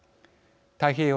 太平洋